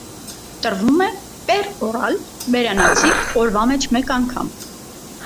Տրվում է պեր օրալ (բերանացի) օրվա մեջ մեկ անգամ։